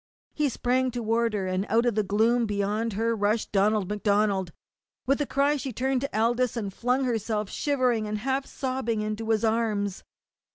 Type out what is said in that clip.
He sprang toward her, and out of the gloom beyond her rushed Donald MacDonald. With a cry she turned to Aldous and flung herself shivering and half sobbing into his arms.